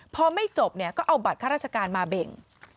พอไม่จบก็เอาบัตรค่าราชการมาเบ่ง